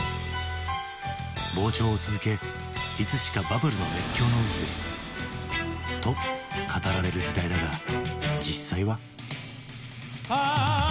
膨張を続けいつしかバブルの熱狂の渦へと語られる時代だが実際は？